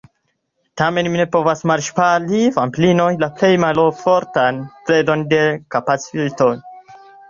Tamen, mi ne povas malŝpari vampirinon, la plej maloftan predon de kapĉasisto.